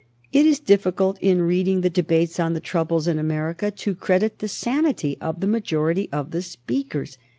It is difficult, in reading the debates on the troubles in America, to credit the sanity of the majority of the speakers.